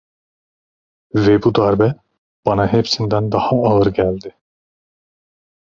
Ve bu darbe, bana hepsinden daha ağır geldi.